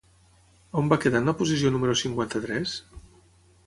On va quedar en la posició número cinquanta-tres?